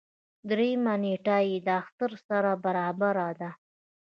دريیمه نېټه یې د اختر سره برابره ده.